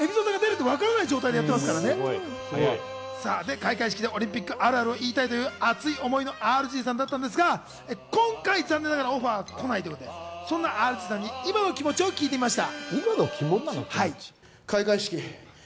開会式でオリンピックあるあるを言いたいという熱い思いのＲＧさんだったんですが、今回、残念ながらオファーは来ないということで、そんなＲＧさんに今の気持ちを聞いてみました。